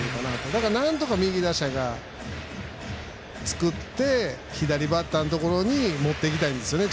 だから、なんとか右打者が作って左バッターのところに持っていきたいですよね